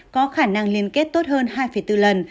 có khả năng liên kết tốt hơn hai bốn lần